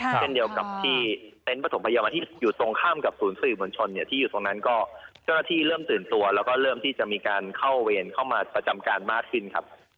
เช่นเดียวกับที่เต็นต์ประถมพยาบาลที่อยู่ตรงข้ามกับศูนย์สื่อมวลชนเนี่ยที่อยู่ตรงนั้นก็เจ้าหน้าที่เริ่มตื่นตัวแล้วก็เริ่มที่จะมีการเข้าเวรเข้ามาประจำการมากขึ้นครับ